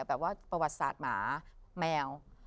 แบบว่าประวัติศาสตร์หมาแมว